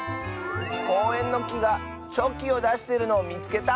こうえんのきがチョキをだしてるのをみつけた！